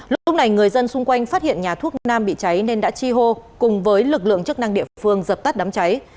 lúc này người dân xung quanh phát hiện nhà thuốc nam bị cháy nên đã chi hô cùng với lực lượng chức năng địa phương dập tắt đám cháy